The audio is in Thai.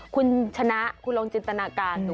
คุณชนะคุณลองจินตนาการดู